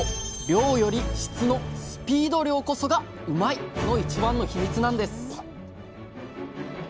量より質の「スピード漁」こそがうまいッ！の一番のヒミツなんです。